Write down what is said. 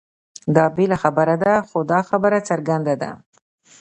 دا بېله خبره ده؛ خو دا خبره څرګنده ده،